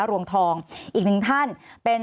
สวัสดีครับทุกคน